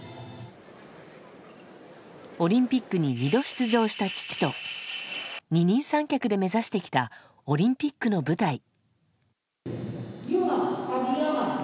オリンピックに２度出場した父と二人三脚で目指してきたオリンピックの舞台。